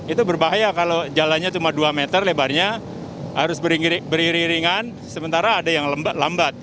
itu berbahaya kalau jalannya cuma dua meter lebarnya harus beriri ringan sementara ada yang lambat